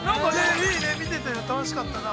◆いいね、見てて、楽しかったな。